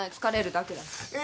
疲れるだけだし。